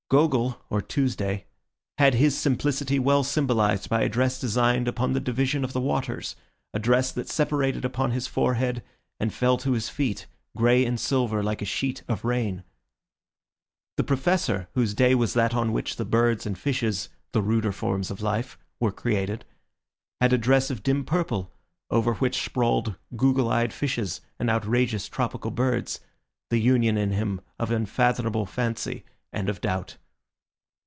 Gogol, or Tuesday, had his simplicity well symbolised by a dress designed upon the division of the waters, a dress that separated upon his forehead and fell to his feet, grey and silver, like a sheet of rain. The Professor, whose day was that on which the birds and fishes—the ruder forms of life—were created, had a dress of dim purple, over which sprawled goggle eyed fishes and outrageous tropical birds, the union in him of unfathomable fancy and of doubt.